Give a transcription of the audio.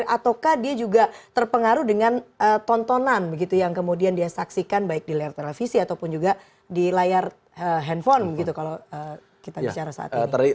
ataukah dia juga terpengaruh dengan tontonan begitu yang kemudian dia saksikan baik di layar televisi ataupun juga di layar handphone gitu kalau kita bicara saat ini